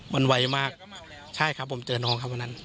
มันไวมากใช่ครับผมเจอน้องครับวันนั้น